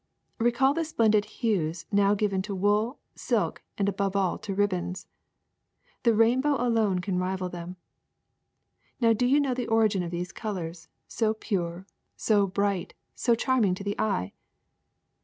Recall the splendid hues now given to wool, silk, and above all to ribbons. The rainbow alone can rival them. Now do you know the origin of these colors, so pure, so bright, so charming to the eye